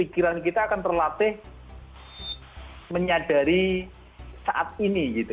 kita akan terlatih menyadari saat ini